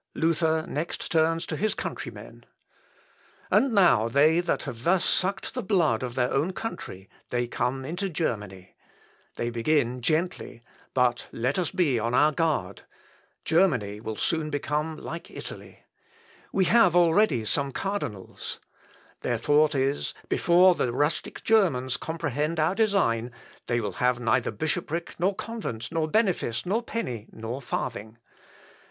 Luther next turns to his countrymen. [Sidenote: DANGER OF GERMANY. REMEDIES PROPOSED BY LUTHER.] "And now that they have thus sucked the blood of their own country, they come into Germany. They begin gently, but let us be on our guard. Germany will soon become like Italy. We have already some cardinals. Their thought is before the rustic Germans comprehend our design they will have neither bishoprick, nor convent, nor benefice, nor penny, nor farthing.